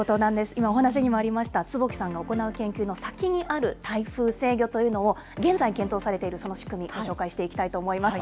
今、お話しにもありました、坪木さんの行う研究の先にある台風制御というのを、現在、検討されているその仕組み、ご紹介していきたいと思います。